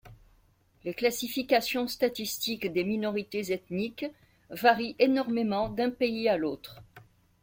Les classifications statistiques des minorités ethniques varient énormément d’un pays à l’autre.